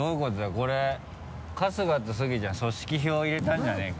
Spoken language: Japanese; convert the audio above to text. これ春日とスギちゃん組織票入れたんじゃねぇか？